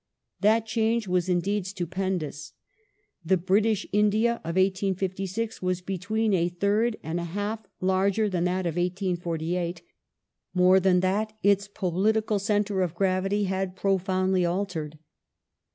That change was indeed stupendous. The British India of 1856 was "between a third and a half" larger than that of 1848. More than that, its " political centre of gravity had profoundly altered